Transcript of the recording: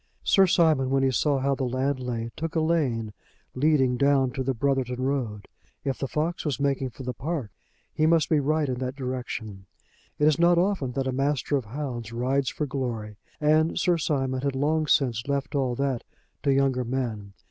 Sir Simon, when he saw how the land lay, took a lane leading down to the Brotherton road. If the fox was making for the park he must be right in that direction. It is not often that a master of hounds rides for glory, and Sir Simon had long since left all that to younger men.